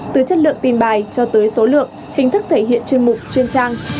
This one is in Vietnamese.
từ chất lượng tin bài cho tới số lượng hình thức thể hiện chuyên mục chuyên trang